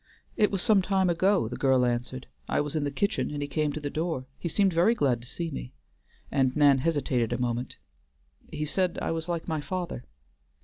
"It was some time ago," the girl answered. "I was in the kitchen, and he came to the door. He seemed very glad to see me," and Nan hesitated a moment. "He said I was like my father."